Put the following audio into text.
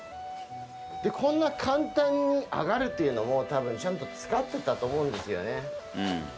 こんな簡単に上がるというのも、たぶんちゃんと使ってたと思うんですよね。